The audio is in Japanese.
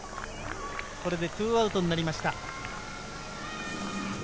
これで２アウトになりました。